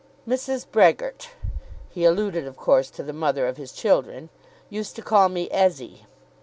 "Mrs. Brehgert" he alluded of course to the mother of his children "used to call me Ezzy."